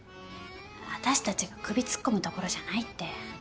私たちが首突っ込むところじゃないって。